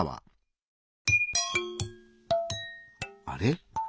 あれ？